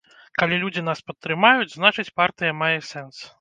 Калі людзі нас падтрымаюць, значыць, партыя мае сэнс.